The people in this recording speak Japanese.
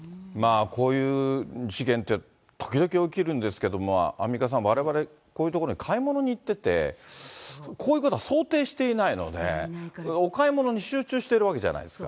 こういう事件って、時々起きるんですけども、アンミカさん、われわれ、こういう所に買い物に行ってて、こういうことは想定していないので、お買い物に集中しているわけじゃないですか。